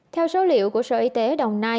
theo số liệu của sở y tế đồng nai